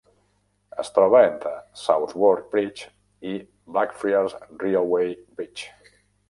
Es troba entre Southwark Bridge i Blackfriars Railway Bridge.